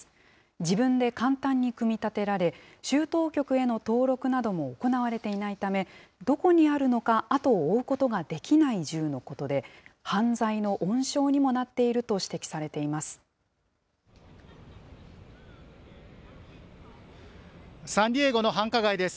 自分で簡単に組み立てられ、州当局への登録も行われていないため、どこにあるのか、後を追うことができない銃のことで、犯罪の温床にもなっているとサンディエゴの繁華街です。